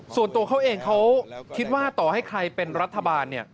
ส่วนตัวเขาเองเขาคิดว่าต่อให้ใครเป็นรัฐบาล